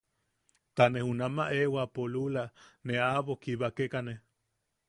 Ta ne junama eewapo luula ne aʼabo kibakekane.